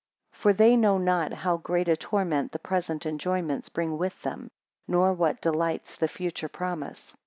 8 For they know not how great a torment the present enjoyments bring with them; nor what delights the future promise.